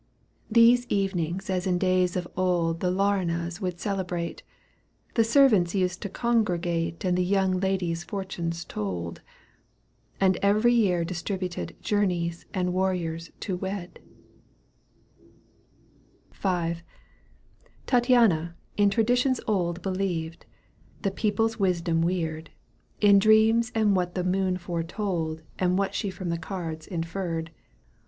These evenings as in days of old The Lkrinas would celebrate, The servants used to congregate And the young ladies fortunes told. And every year distributed Journeys and warriors to wed. V. ^ Tattiana in traditions old Believed, the people's wisdom weird. In dreams and what the moon foretold And what she from the cards inferred, к Digitized by VjOOQ 1С 130 EUGENE ONlfeGUINE.